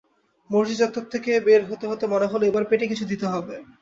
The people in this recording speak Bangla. মসজিদ চত্বর থেকে বের হতে হতে মনে হলো, এবার পেটে কিছু দিতে হবে।